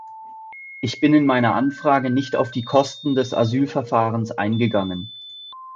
Ich bin in meiner Anfrage nicht auf die Kosten des Asylverfahrens eingegangen.